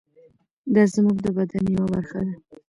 دا زموږ د بدن یوه برخه ده.